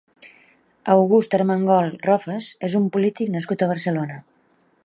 August Armengol Rofes és un polític nascut a Barcelona.